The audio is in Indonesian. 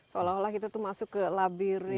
seolah olah kita tuh masuk ke labir